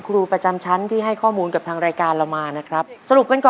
เขาอยู่ดูแลกันเอง